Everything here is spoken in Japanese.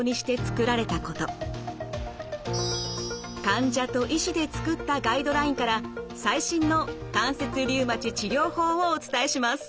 患者と医師で作ったガイドラインから最新の関節リウマチ治療法をお伝えします。